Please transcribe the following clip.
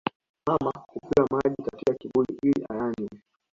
Mama hupewa maji katika kibuyu ili ayanywe